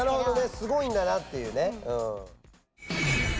すごいんだなっていうね。